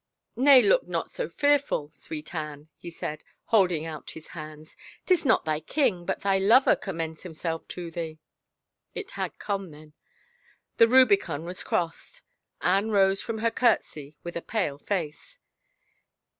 " Nay, look not so fearful, sweet Anne," he said, hold ing out his hands. " 'Tis not thy king, but thy lover commends himself to thee." It had come, then. The Rubicon was crossed. Anne rose from her courtesy with a pale face.